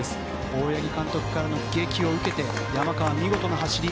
大八木監督からの檄を受けて山川、見事な走り。